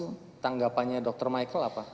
terus tanggapannya dokter michael apa